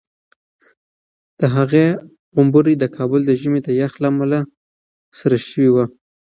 د هغې غومبوري د کابل د ژمي د یخ له امله سره شوي وو.